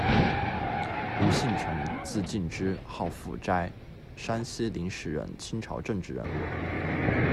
吴性成，字近之，号复斋，山西灵石人，清朝政治人物。